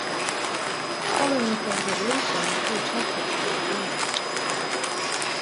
Following the French Revolution, all traffic kept right.